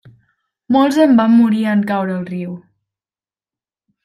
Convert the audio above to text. Molts en van morir en caure al riu.